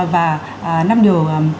và năm điều